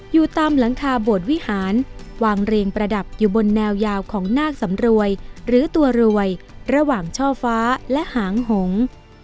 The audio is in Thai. อยู่ตามหลังคาโบดวิหารวางเรียงประดับอยู่บนแนวยาวของนาคสำรวยหรือตัวรวยระหว่างช่อฟ้าและหางหง